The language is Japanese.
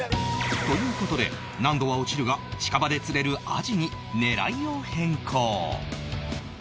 という事で難度は落ちるが近場で釣れるアジに狙いを変更